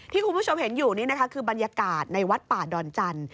คุณผู้ชมเห็นอยู่นี่นะคะคือบรรยากาศในวัดป่าดอนจันทร์